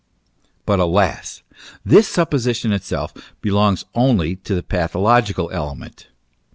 But, alas ! this supposition itself belongs only to the patho logical element.